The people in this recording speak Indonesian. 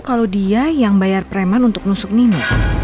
kalo dia yang bayar pereman untuk nusuk nino